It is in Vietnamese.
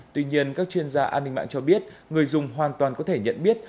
tuy nhiên các chuyên gia an ninh mạng cho biết người dùng hoàn toàn có thể nhận biết